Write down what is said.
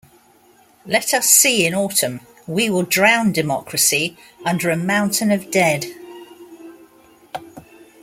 Let us see in autumn; we will drown democracy under a mountain of dead.